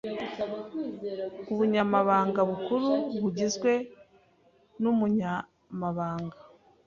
Ubunyamabanga Bukuru bugizwe n’Umunyamabanga